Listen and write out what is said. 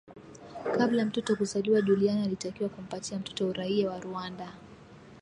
Kabla mtoto kuzaliwa Juliana alitakiwa kumpatia mtoto uraia wa Rwanda